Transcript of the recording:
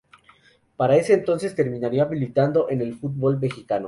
Para ese entonces terminaría militando en el fútbol Mexicano.